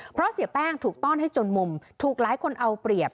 เพราะเสียแป้งถูกต้อนให้จนมุมถูกหลายคนเอาเปรียบ